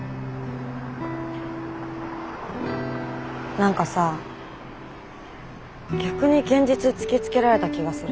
何かさ逆に現実突きつけられた気がする。